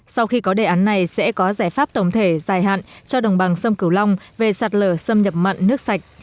sau khi có đề án này sẽ có giải pháp tổng thể dài hạn cho đồng bằng sông cửu long về sạt lở xâm nhập mặn nước sạch